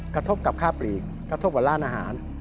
กระทบกับค่าปลีกกระทบกับร้านอาหาร